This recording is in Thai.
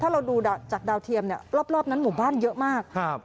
ถ้าเราดูจากดาวเทียมเนี่ยรอบนั้นหมู่บ้านเยอะมาก